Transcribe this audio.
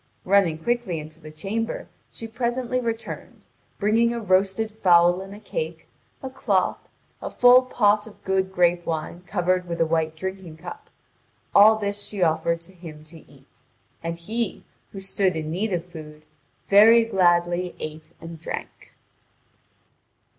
Running quickly into the chamber, she presently returned, bringing a roasted fowl and a cake, a cloth, a full pot of good grape wine covered with a white drinking cup; all this she offered to him to eat. And he, who stood in need of food, very gladly ate and drank.